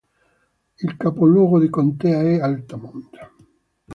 Il capoluogo di contea è Altamont.